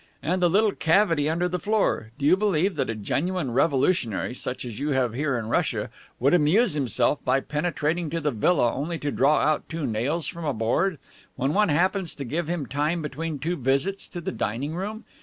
And the little cavity under the floor, do you believe that a genuine revolutionary, such as you have here in Russia, would amuse himself by penetrating to the villa only to draw out two nails from a board, when one happens to give him time between two visits to the dining room?